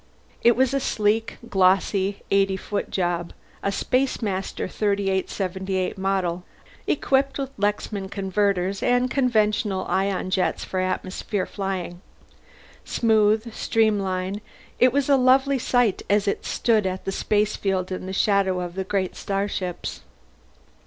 It was a sleek glossy eighty foot job, a Spacemaster 3878 model, equipped with Lexman converters and conventional ion jets for atmosphere flying. Smooth, streamlined, it was a lovely sight as it stood at the spacefield in the shadow of the great starships.